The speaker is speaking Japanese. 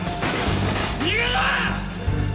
逃げろ！